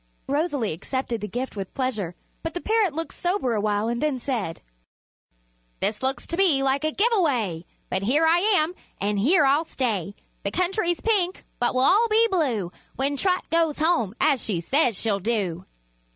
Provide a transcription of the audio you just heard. Rosalie accepted the gift with pleasure, but the parrot looked sober awhile and then said: "This looks to me like a give away; But here I am, and here I'll stay. The country's pink, but we'll all be blue When Trot goes home, as she says she'll do."